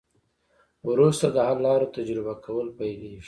وروسته د حل لارو تجربه کول پیلیږي.